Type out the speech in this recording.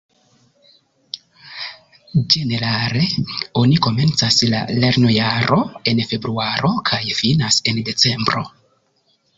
Ĝenerale oni komencas la lernojaro en februaro kaj finas en decembro.